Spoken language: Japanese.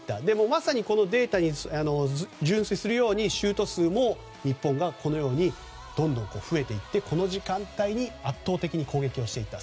まさにデータに準ずるようにシュート数も日本がどんどん増えていってこの時間帯に圧倒的に攻撃をしていた。